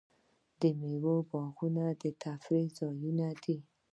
د میوو باغونه د تفریح ځایونه دي.